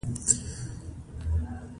افغانستان کې غرونه د خلکو د خوښې وړ ځای دی.